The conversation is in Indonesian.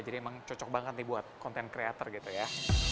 jadi emang cocok banget nih buat content creator gitu ya